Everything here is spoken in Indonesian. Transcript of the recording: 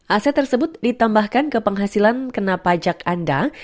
aset tersebut ditambahkan ke penghasilan kena pajak anda